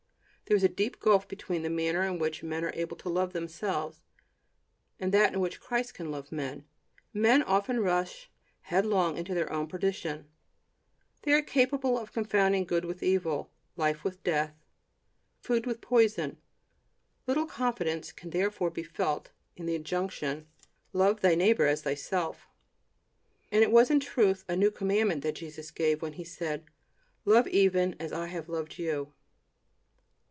There is a deep gulf between the manner in which men are able to love themselves and that in which Christ can love men. Men often rush headlong to their own perdition; they are capable of confounding good with evil, life with death, food with poison. Little confidence can therefore be felt in the injunction: "Love thy neighbor as thyself." And it was in truth a new commandment that Jesus gave, when He said: "Love even as I have loved you."